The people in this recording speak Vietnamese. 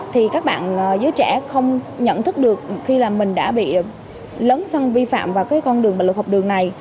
thì các bạn giới trẻ không nhận thức được khi mình đã bị lớn xong vi phạm vào con đường bạo lực học đường này